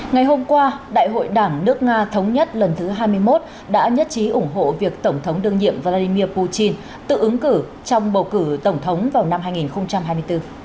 ngày hôm qua đại hội đảng nước nga thống nhất lần thứ hai mươi một đã nhất trí ủng hộ việc tổng thống đương nhiệm vladimir putin tự ứng cử trong bầu cử tổng thống vào năm hai nghìn hai mươi bốn